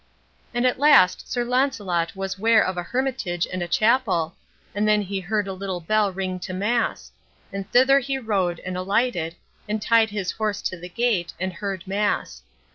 And at last Sir Launcelot was ware of a hermitage and a chapel, and then he heard a little bell ring to mass; and thither he rode and alighted, and tied his horse to the gate, and heard mass.